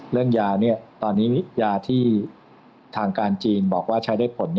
เรื่องยาตอนนี้ยาที่ทางการจีนบอกว่าใช้ได้ผล